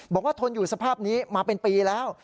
ทนอยู่สภาพนี้มาเป็นปีแล้ว